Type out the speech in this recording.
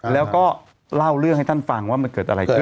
แล้วก็เล่าเรื่องให้ท่านฟังว่ามันเกิดอะไรขึ้น